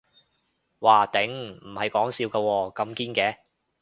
嘩頂，唔係講笑㗎喎，咁堅嘅